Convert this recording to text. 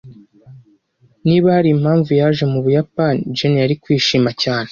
Niba hari impamvu yaje mu Buyapani, Jane yari kwishima cyane.